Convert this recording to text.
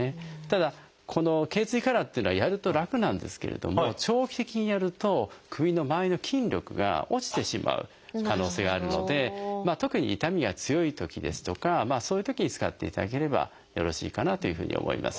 ただこの頚椎カラーっていうのはやると楽なんですけれども長期的にやると首のまわりの筋力が落ちてしまう可能性があるので特に痛みが強いときですとかそういうときに使っていただければよろしいかなというふうに思います。